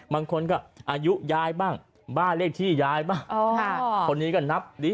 บางคนก็อายุยายบ้างบ้านเลขที่ยายบ้างคนนี้ก็นับดี